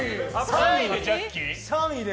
３位でジャッキー。